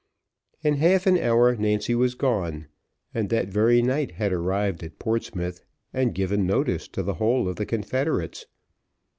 In half an hour, Nancy was gone, and that very night had arrived at Portsmouth, and given notice to the whole of the confederates.